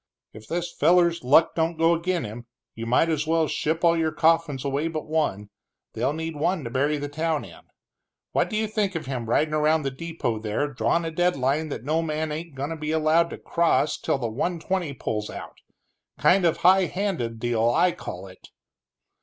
"If this feller's luck don't go ag'in' him, you might as well ship all your coffins away but one they'll need one to bury the town in. What do you think of him ridin' around the depot down there, drawin' a deadline that no man ain't goin' to be allowed to cross till the one twenty pulls out? Kind of high handed deal, I call it!"